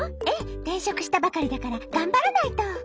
ええ転職したばかりだから頑張らないと。